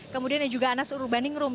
kemudian juga anas urubaningrum